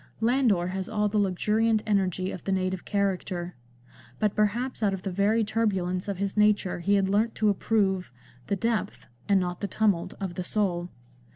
Landor has all the luxuriant energy of the native character. But perhaps out of the very turbulence of his nature he had learnt to approve "The depth, and not the tumult, of the soul."